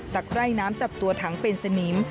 ใคร่น้ำจับตัวถังเป็นสนิม